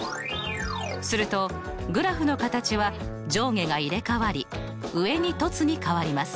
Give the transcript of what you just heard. するとグラフの形は上下が入れ代わり上に凸に変わります。